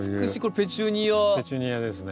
ペチュニアですね。